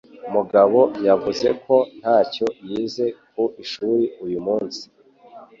Mugabo yavuze ko ntacyo yize ku ishuri uyu munsi.